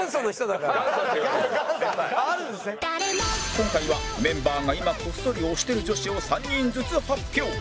今回はメンバーが今こっそり推してる女子を３人ずつ発表